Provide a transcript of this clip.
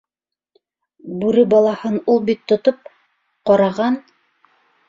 Бүре балаһын ул бит тотоп, ҡараған...